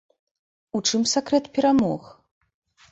У чым сакрэт перамог?